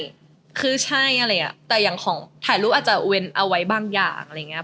ใช่คือใช่อะไรอ่ะแต่อย่างของถ่ายรูปอาจจะเว้นเอาไว้บางอย่างอะไรอย่างเงี้